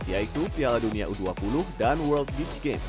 yaitu piala dunia u dua puluh dan world beach game